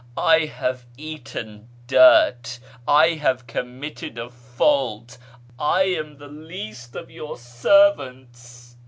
I have eaten dirt ! I have committed a fault ! I am the least of your servants